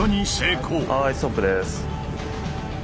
はいストップです。